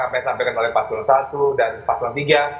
apa yang disampaikan oleh pak sulawesi i dan pak sulawesi iii